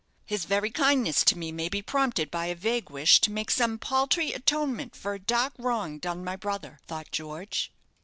"His very kindness to me may be prompted by a vague wish to make some paltry atonement for a dark wrong done my brother," thought George.